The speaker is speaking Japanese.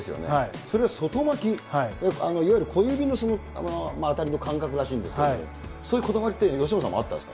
それを外巻き、いわゆる小指の当たりの感覚らしいんですけれども、そういうこだわりって、由伸さんってあったんですか。